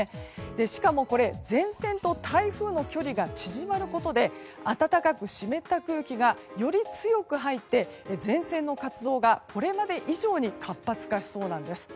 しかも前線と台風の距離が縮まることで暖かく湿った空気がより強く入って前線の活動が、これまで以上に活発化しそうなんです。